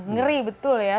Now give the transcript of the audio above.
ngeri betul ya